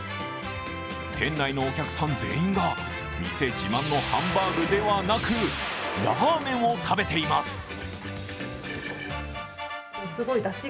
店内のお客さん全員が店自慢のハンバーグではなく、ラーメンを食べています。